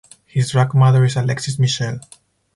His drag mother is Alexis Michelle.